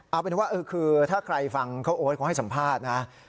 เอาเป็นว่าถ้าใครฟังข้าวโอ๊ตก็ให้สัมภาษณ์นะ